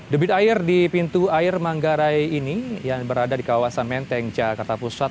debit air di pintu air manggarai ini yang berada di kawasan menteng jakarta pusat